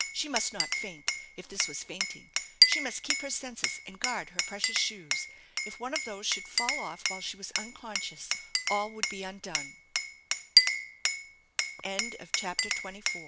She must not faint if this was fainting. She must keep her senses and guard her precious shoes. If one of those should fall off while she was uncon* gcious all would be undone.